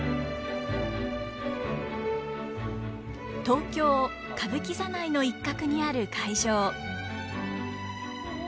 東京歌舞伎座内の一角にある会場。